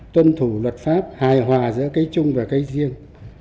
tuân thủ luật pháp hài hòa giữa cái chung và cái riêng